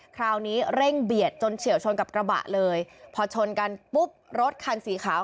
คราวนี้เร่งเบียดจนเฉียวชนกับกระบะเลยพอชนกันปุ๊บรถคันสีขาว